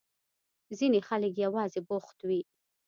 ځينې خلک يوازې بوخت وي.